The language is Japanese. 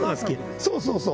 そうそうそう。